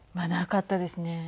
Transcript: なかったですね。